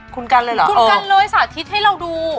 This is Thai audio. คุณกันเลยเหรอคุณกันเลยสาธิตให้เราดู